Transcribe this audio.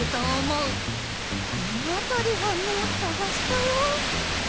このあたりはもうさがしたよ。